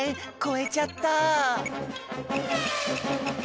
こえちゃった。